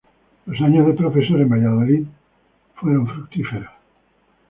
Los años de profesor en Valladolid fueron fructíferos.